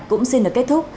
cũng xin được kết thúc